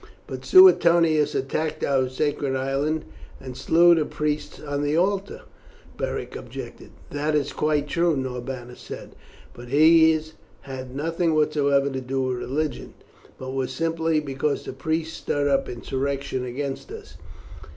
"But Suetonius attacked our sacred island and slew the priests on the altars," Beric objected. "That is quite true," Norbanus said, "but this had nothing whatever to do with the religion, but was simply because the priests stirred up insurrection against us.